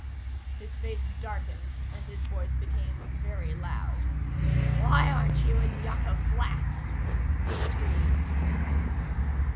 His face darkened and his voice became very loud. "Why aren't you in Yucca Flats?" he screamed.